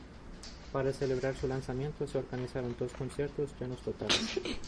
Para celebrar su lanzamiento, se organizaron dos conciertos, llenos totales.